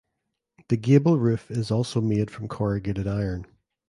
The gable roof is also made from corrugated iron.